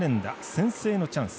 先制のチャンス。